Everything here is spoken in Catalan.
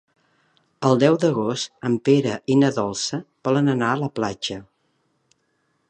El deu d'agost en Pere i na Dolça volen anar a la platja.